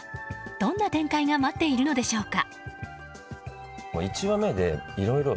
どんな展開が待っているのでしょうか。